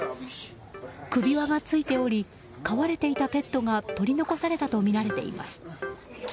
首輪がついており飼われていたペットが取り残されたとみられています。